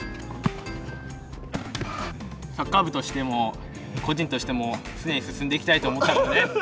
サッカー部としても個人としても常に進んでいきたいと思ったからです。